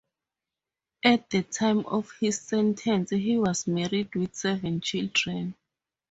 At the time of his sentence he was married with seven children.